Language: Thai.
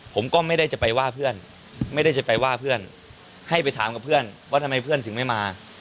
ผมก็ไม่ได้จะไปว่าเพื่อนไม่ได้จะไปว่าเพื่อนให้ไปถามกับเพื่อนว่าทำไมเพื่อนถึงไม่มา